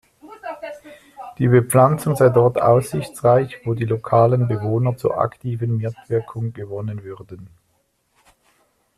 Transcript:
Die Bepflanzung sei dort aussichtsreich, wo die lokalen Bewohner zur aktiven Mitwirkung gewonnen würden.